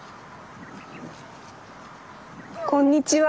こんにちは。